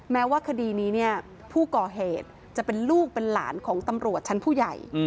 แม้ว่าคดีนี้เนี่ยผู้ก่อเหตุจะเป็นลูกเป็นหลานของตำรวจชั้นผู้ใหญ่